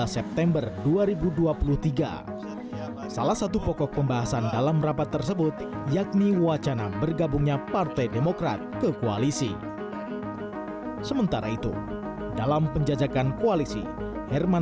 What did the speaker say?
seperti apa hasilnya kita tunjukkan